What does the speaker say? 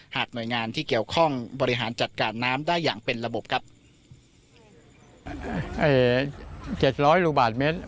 หน่วยงานที่เกี่ยวข้องบริหารจัดการน้ำได้อย่างเป็นระบบครับเอ่อเจ็ดร้อยลูกบาทเมตร